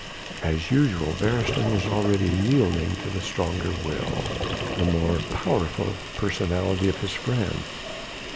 As usual Beresteyn was already yielding to the stronger will, the more powerful personality of his friend.